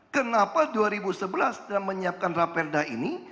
kenapa dua ribu sebelas sudah menyiapkan raperda ini